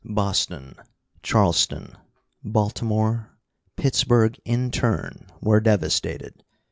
Boston, Charleston, Baltimore, Pittsburg in turn were devastated.